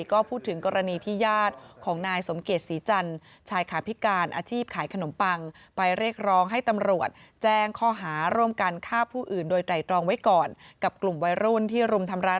ก็พูดถึงกรณีที่ญาติของนายสมเกษฐีสีจันทร์